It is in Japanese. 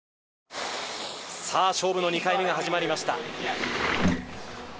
さあ、勝負の２回目が始まりました。